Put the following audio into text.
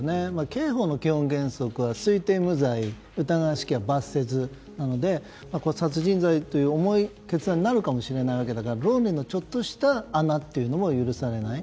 刑法の基本原則は、推定無罪疑わしきは罰せずなので殺人罪という重い決断になるかもしれないわけだから論理のちょっとした穴というのも許されない。